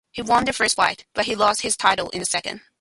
He won the first fight, but he lost his title in the second.